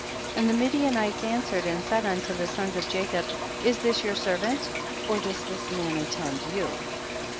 9. And the Midianites answered and said unto the sons of Jacob, is this your servant, or does this man attend you